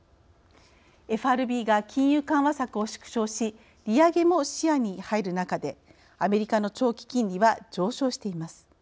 ＦＲＢが金融緩和策を縮小し利上げも視野に入る中でアメリカの長期金利は上昇しています。